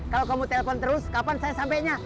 kalau kamu telpon terus kapan saya sampainya